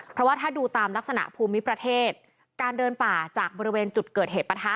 เพราะว่าถ้าดูตามลักษณะภูมิประเทศการเดินป่าจากบริเวณจุดเกิดเหตุปะทะ